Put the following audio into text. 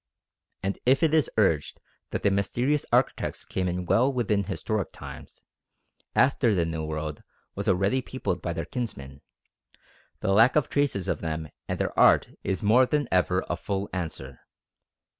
And if it is urged that the mysterious architects came in well within historic times, after the New World was already peopled by their kinsmen, the lack of traces of them and their art is more than ever a full answer.